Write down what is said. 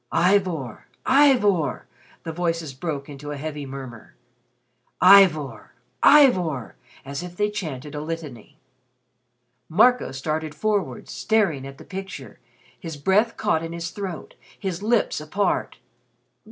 "Ivor! Ivor!" the voices broke into a heavy murmur. "Ivor! Ivor!" as if they chanted a litany. Marco started forward, staring at the picture, his breath caught in his throat, his lips apart.